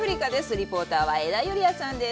リポーターは江田友莉亜さんです。